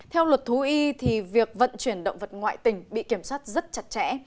theo luật thú y thì việc vận chuyển động vật ngoại tỉnh bị kiểm soát rất chặt chẽ